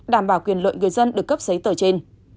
đảm bảo quyền lợi người dân được cấp giấy tờ trên